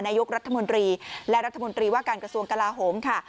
นายกรัฐมนตรีและรัฐมนตรีว่าการกระทรวงกลาโหมค่ะ